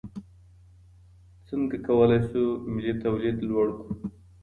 څرنګه کولای سو ملي توليد لوړ کړو؟